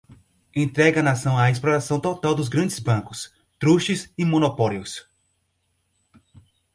entrega a Nação à exploração total dos grandes bancos, trustes e monopólios